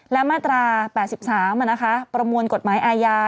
และมาตรา๘๓ประมวลกฎหมายอาญา